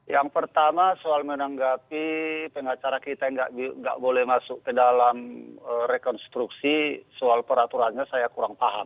yang pertama soal menanggapi pengacara kita yang nggak boleh masuk ke dalam rekonstruksi soal peraturannya saya kurang paham